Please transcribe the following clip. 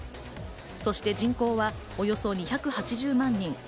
そして人口はおよそ２８０万人。